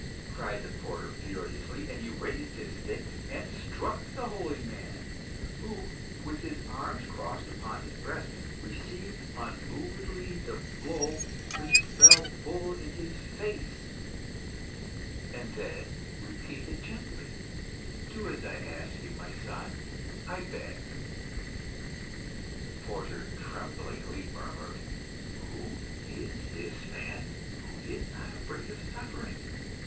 cried the porter furiously; and he raised his stick and struck the holy man, who, with his arms crossed upon his breast, received unmovedly the blow, which fell full in his face, and then repeated gently "Do as I ask you, my son, I beg." The porter tremblingly murmured "Who is this man who is not afraid of suffering?"